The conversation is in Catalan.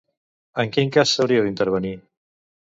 En quin cas s'hauria d'intervenir?